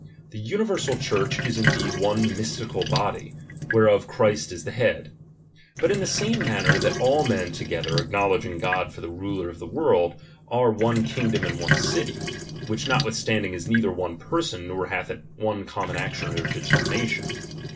The tmiversal Church is indeed one mi/stical hody, whereof Christ is the head ; but in the same manner that all men to gether, acknowledging God for the ruler of the world, are one kingdom and one city ; which not withstanding is neither one person, nor hath it one common action or determination.